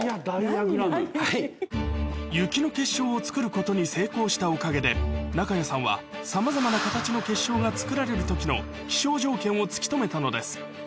雪の結晶を作ることに成功したおかげで、中谷さんは、さまざまな形の結晶が作られるときの気象条件を突き止めたのです。